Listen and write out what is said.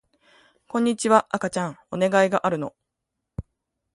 こんにちは赤ちゃんお願いがあるの